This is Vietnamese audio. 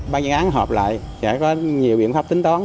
ban chuyên án họp lại sẽ có nhiều biện pháp tính toán